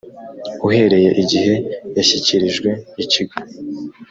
uhereye igihe yashyikiririjwe ikigo